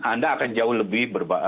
anda akan jauh lebih